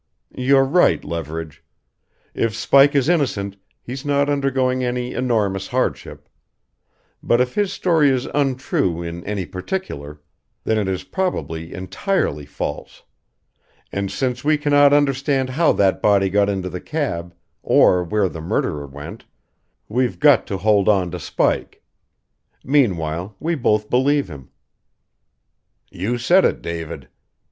"You're right, Leverage. If Spike is innocent he's not undergoing any enormous hardship. But if his story is untrue in any particular then it is probably entirely false. And since we cannot understand how that body got into the cab or where the murderer went we've got to hold on to Spike. Meanwhile, we both believe him." "You said it, David.